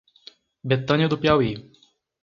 Betânia do Piauí